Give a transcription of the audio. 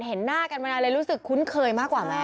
เห็นหน้ากันมานานเลยรู้สึกคุ้นเคยมากกว่าไหม